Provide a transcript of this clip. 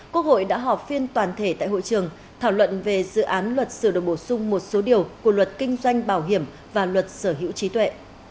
quốc hội đã họp phiên toàn thể tại hội trường thảo luận về dự án luật sửa đổi bổ sung một số điều của luật kinh doanh bảo hiểm và luật sở hữu trí tuệ